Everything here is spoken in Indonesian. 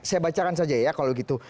saya bacakan saja ya kalau gitu